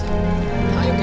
tuh yang ini